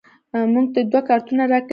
موږ ته دوه کارتونه راکړیدي